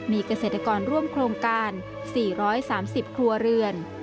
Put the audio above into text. มีเกษตรกรร่วมโครงการ๔๓๐ครัวเรือน